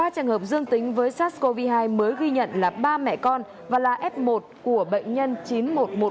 ba trường hợp dương tính với sars cov hai mới ghi nhận là ba mẹ con và là f một của bệnh nhân chín nghìn một trăm một mươi ba